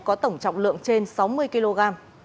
có tổng trọng lượng trên sáu mươi kg